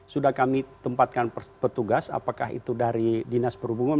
sudah kami tempatkan petugas apakah itu dari dinas perhubungan